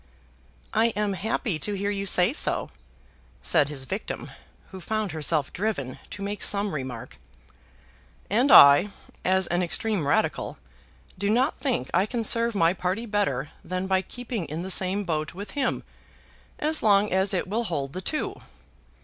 "I am happy to hear you say so," said his victim, who found herself driven to make some remark. "And I, as an extreme Radical, do not think I can serve my party better than by keeping in the same boat with him, as long as it will hold the two.